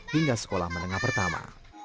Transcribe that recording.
hingga sekolah menengah pertama